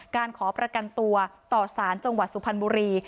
การขอประกันตัวต่อสารจังหวัดสุพรรณบุรี